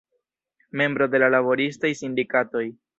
Membro de laboristaj sindikatoj.